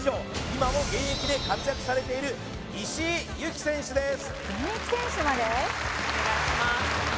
今も現役で活躍されている石井優希選手です